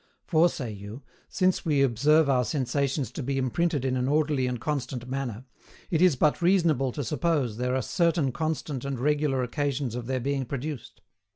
For, say you, since we observe our sensations to be imprinted in an orderly and constant manner, it is but reasonable to suppose there are certain constant and regular occasions of their being produced.